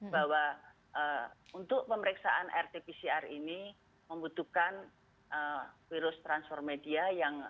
bahwa untuk pemeriksaan rt pcr ini membutuhkan virus transfermedia yang